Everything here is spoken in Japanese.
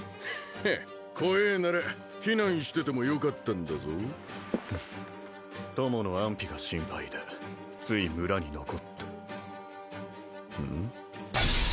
ヘッ怖えなら避難しててもよかったんだぞ友の安否が心配でつい村に残ってうん？